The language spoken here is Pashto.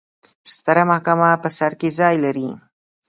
ستره محکمه په سر کې ځای لري.